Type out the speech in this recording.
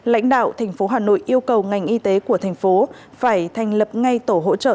lãnh đạo thành phố hà nội yêu cầu ngành y tế của thành phố phải thành lập ngay tổ hỗ trợ